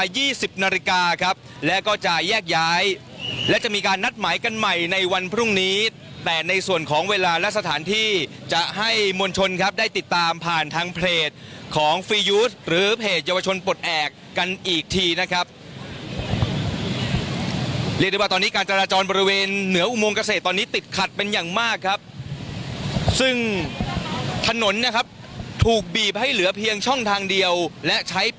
ยี่สิบนาฬิกาครับแล้วก็จะแยกย้ายและจะมีการนัดหมายกันใหม่ในวันพรุ่งนี้แต่ในส่วนของเวลาและสถานที่จะให้มวลชนครับได้ติดตามผ่านทางเพจของฟียูสหรือเพจเยาวชนปลดแอบกันอีกทีนะครับเรียกได้ว่าตอนนี้การจราจรบริเวณเหนืออุโมงเกษตรตอนนี้ติดขัดเป็นอย่างมากครับซึ่งถนนนะครับถูกบีบให้เหลือเพียงช่องทางเดียวและใช้